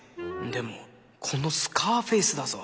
でもこのスカーフェースだぞ。